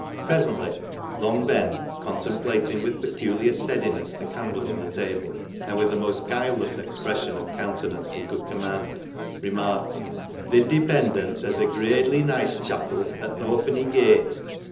Presently Long Ben, contemplating with peculiar steadiness the candle on the table, and with the most guileless expression of countenance he could command, remarked —" Th' Independents hez a gradely nice chapil at th' Hawpenny Gate."